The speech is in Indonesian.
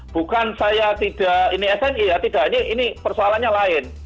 bukan saya tidak ini sni ya tidak ini persoalannya lain